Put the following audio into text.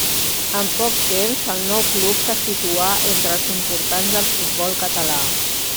En poc temps, el nou club se situà entre els importants del futbol català.